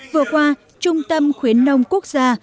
vừa qua trung tâm khuyến nông quốc gia